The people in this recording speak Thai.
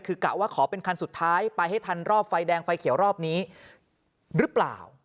คือกะว่าขอเป็นคันสุดท้ายไปให้ทันรอบไฟแดงไฟเขียวรอบนี้หรือเปล่า